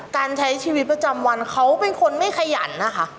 การใช้ชีวิตประจำวันเขาเป็นคนไม่ขยันนะคะ